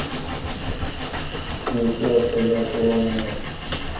তুলসী অর্থ যার তুলনা নেই।